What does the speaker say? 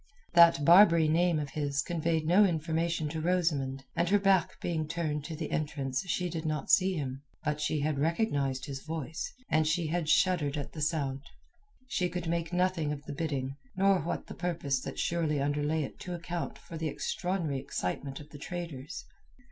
That Barbary name of his conveyed no information to Rosamund, and her back being turned to the entrance she did not see him. But she had recognized his voice, and she had shuddered at the sound. She could make nothing of the bidding, nor what the purpose that surely underlay it to account for the extraordinary excitement of the traders.